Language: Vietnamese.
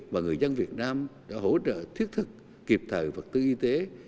và người dân việt nam đã hỗ trợ thiết thực kịp thời vật tư y tế